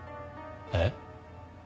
えっ？